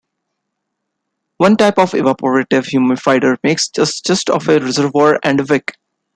One type of evaporative humidifier makes use of just a reservoir and wick.